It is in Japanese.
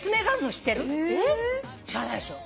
知らないでしょ。